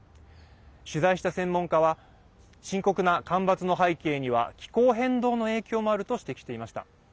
取材した専門家は深刻な干ばつの背景には気候変動の影響もあると指摘していました。